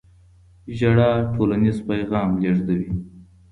ژړا ټولنیز پیغام لېږدوي.